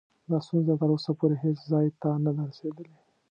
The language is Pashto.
دا ستونزه تر اوسه پورې هیڅ ځای ته نه ده رسېدلې.